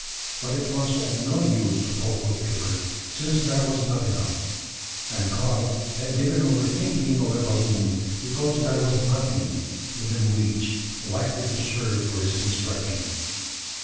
But it was of no use to talk of paper: since there was not enough; and Karl had given over thinking of a balloon: because there was nothing within reach likely to serve for its construction.